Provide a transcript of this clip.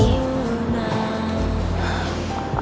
dan jadi punah